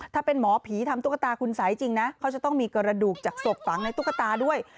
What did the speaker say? ถ้าเป็นหมอผีทำตุ๊กตาคุณสัยจริงนะเขาจะต้องมีกระดูกจากศพฝังในตุ๊กตาด้วย